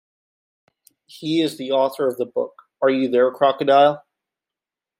He is the author of the book Are You There, Crocodile?